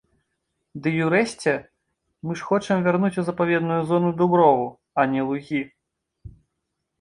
Ды й, урэшце, мы ж хочам вярнуць ў запаведную зону дуброву, а не лугі.